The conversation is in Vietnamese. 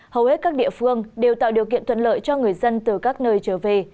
hầu hết các địa phương đều tạo điều kiện thuận lợi cho người dân từ các nơi trở về